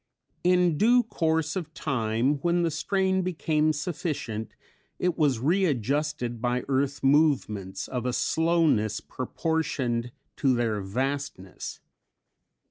In due course of time, when the strain became sufficient, it was readjusted by earth movements of a slowness proportioned to their vastness.